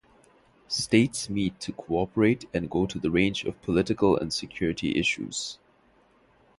States meet to cooperate and go to the range of political and security issues.